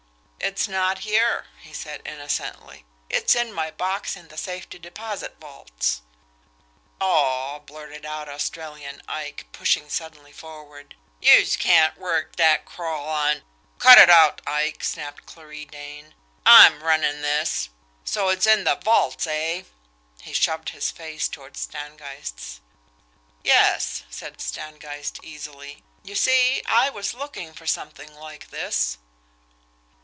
"It's not here," he said innocently. "It's in my box in the safety deposit vaults." "Aw," blurted out Australian Ike, pushing suddenly forward, "youse can't work dat crawl on " "Cut it out, Ike!" snapped Clarie Dane. "I'm runnin' this! So it's in the vaults, eh?" He shoved his face toward Stangeist's. "Yes," said Stangeist easily. "You see I was looking for something like this."